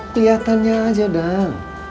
keliatannya aja dang